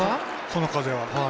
この風は。